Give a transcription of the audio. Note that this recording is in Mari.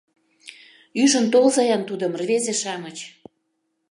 Ӱжын толза-ян тудым, рвезе-шамыч!